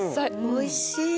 おいしい！